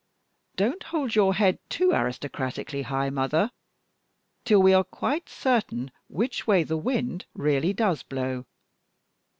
Don't hold your head too aristocratically high, mother, till we are quite certain which way the wind really does blow.